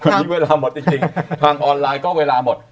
วันนี้เวลาหมดจริงทางออนไลน์ก็เวลาหมด